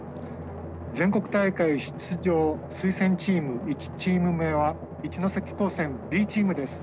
全国大会出場推薦チーム１チーム目は一関高専Ｂチームです。